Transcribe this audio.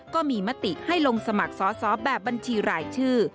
ก็มีมติให้ลงสมัครสอสอแบบบัญชีรายชื่อ